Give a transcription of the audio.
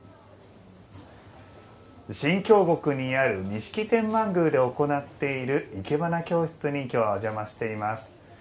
新京極にある錦天満宮で行っているいけばな教室にお邪魔しています。